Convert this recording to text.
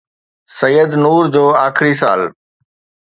سيد نور جو آخري سال